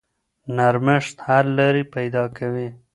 نرمښت حل لارې پیدا کوي.